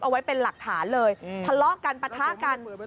เอาไว้เป็นหลักฐานเลยทะเลาะกันปะทะกัน